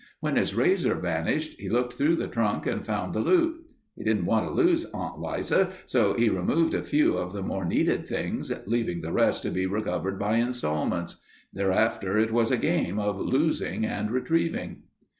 When his razor vanished he looked through the trunk and found the loot. He didn't want to lose Aunt Liza, so he removed a few of the more needed things, leaving the rest to be recovered by instalments. Thereafter it was a game of losing and retrieving.